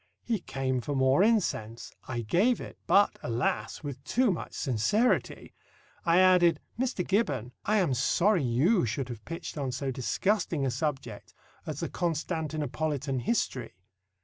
He came for more incense. I gave it, but, alas, with too much sincerity! I added, "Mr. Gibbon, I am sorry you should have pitched on so disgusting a subject as the Constantinopolitan History.